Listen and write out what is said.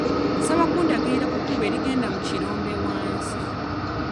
Nsaba kundagirira ku kkubo erigenda mu kirombe wansi.